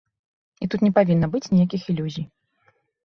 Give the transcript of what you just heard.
І тут не павінна быць ніякіх ілюзій.